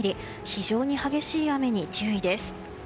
非常に激しい雨に注意です。